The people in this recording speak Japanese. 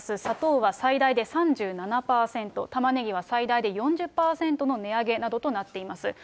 砂糖は最大で３７％、タマネギは最大で４０％の値上げなどとなっています。